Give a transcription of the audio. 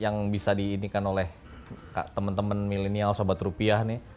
yang bisa diinikan oleh temen temen milenial sobat rupiah nih